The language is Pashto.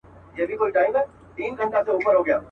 زه چي هر عمل کوم ورته مجبور یم.